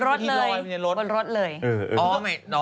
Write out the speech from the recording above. ไม่มีเวทีก็เป็นเวทีรอยมีเวทีรถ